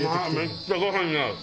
めっちゃご飯に合う。